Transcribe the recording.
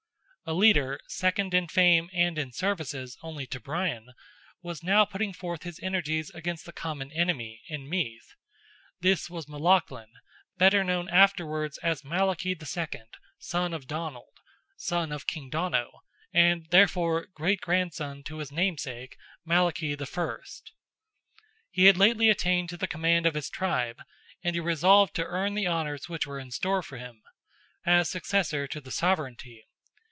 A leader, second in fame and in services only to Brian, was now putting forth his energies against the common enemy, in Meath. This was Melaghlin, better known afterwards as Malachy II., son of Donald, son of King Donogh, and, therefore, great grandson to his namesake, Malachy I. He had lately attained to the command of his tribe—and he resolved to earn the honours which were in store for him, as successor to the sovereignty.